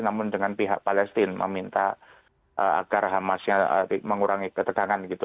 namun dengan pihak palestina meminta agar hamasnya mengurangi ketegangan gitu